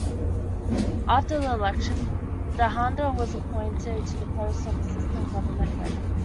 After the election, Dhanda was appointed to the post of Assistant Government Whip.